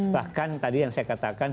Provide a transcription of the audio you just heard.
bahkan tadi yang saya katakan